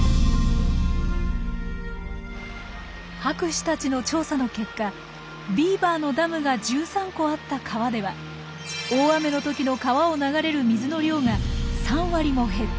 博士たちの調査の結果ビーバーのダムが１３個あった川では大雨の時の川を流れる水の量が３割も減っていたことが分かりました。